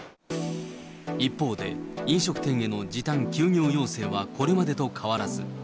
一方で、飲食店への時短休業要請はこれまでと変わらず。